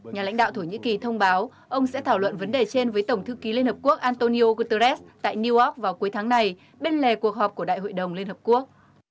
nhà lãnh đạo thổ nhĩ kỳ thông báo ông sẽ thảo luận vấn đề trên với tổng thư ký liên hợp quốc antonio guterres tại new york vào cuối tháng này bên lề cuộc họp của đại hội đồng liên hợp quốc